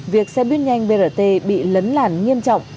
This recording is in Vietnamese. việc xe buýt nhanh brt bị lấn làn nghiêm trọng